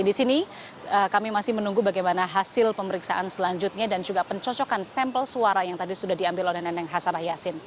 di sini kami masih menunggu bagaimana hasil pemeriksaan selanjutnya dan juga pencocokan sampel suara yang tadi sudah diambil oleh neneng hasanah yassin